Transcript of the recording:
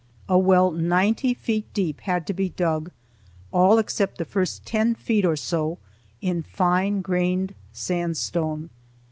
A well ninety feet deep had to be dug, all except the first ten feet or so in fine grained sandstone.